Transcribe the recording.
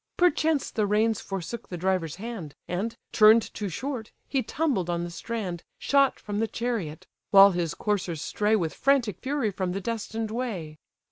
Perchance the reins forsook the driver's hand, And, turn'd too short, he tumbled on the strand, Shot from the chariot; while his coursers stray With frantic fury from the destined way.